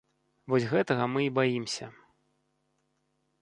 Вось гэтага мы і баімся.